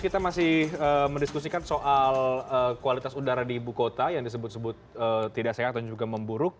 kita masih mendiskusikan soal kualitas udara di ibu kota yang disebut sebut tidak sehat dan juga memburuk